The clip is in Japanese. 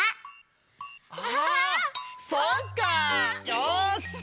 よし！